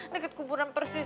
deket kuburan persis